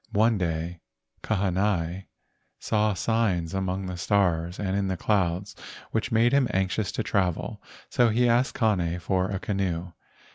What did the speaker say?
One day Kahanai saw signs among the stars and in the clouds which made him anxious to travel, so he asked Kane for a canoe.